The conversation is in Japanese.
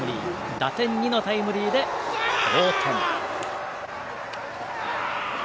打点２のタイムリーで同点。